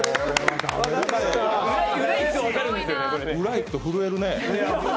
裏行くと震えるね。